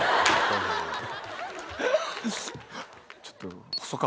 ちょっと。